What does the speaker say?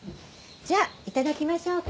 じゃいただきましょうか。